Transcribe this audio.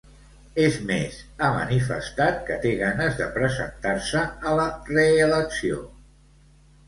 És més, ha manifestat que té ganes de presentar-se a la reelecció.